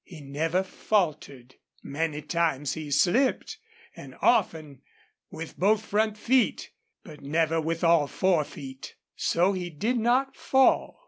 He never faltered. Many times he slipped, often with both front feet, but never with all four feet. So he did not fall.